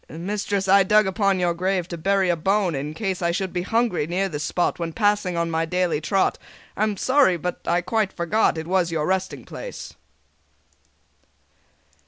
"Mistress, I dug upon your grave To bury a bone, in case I should be hungry near this spot When passing on my daily trot. I am sorry, but I quite forgot It was your resting place."